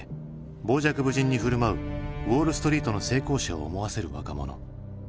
傍若無人に振る舞うウォールストリートの成功者を思わせる若者。